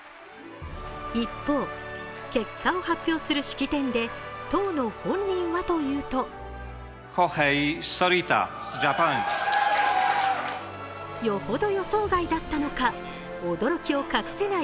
一方、結果を発表する式典で当の本人はというとよほど予想外だったのか、驚きを隠せない